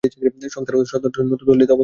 সংস্থার সদর দফতর নতুন দিল্লিতে অবস্থিত।